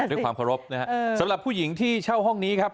ด้วยความเคารพนะฮะสำหรับผู้หญิงที่เช่าห้องนี้ครับ